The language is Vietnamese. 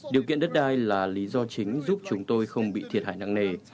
điều kiện đất đai là lý do chính giúp chúng tôi không bị thiệt hại nặng nề